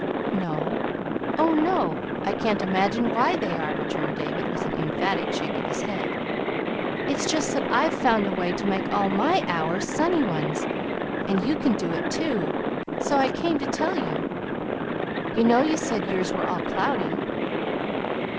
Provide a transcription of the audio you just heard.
"No, oh, no. I can't imagine why they are," returned David, with an emphatic shake of his head. "It's just that I've found a way to make all my hours sunny ones, and you can do it, too. So I came to tell you. You know you said yours were all cloudy."